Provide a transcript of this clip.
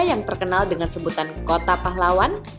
yang terkenal dengan sebutan kota pahlawan